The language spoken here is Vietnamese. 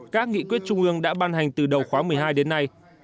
các nghị quyết trung ương đã ban hành từ đầu khóa một mươi hai đến nay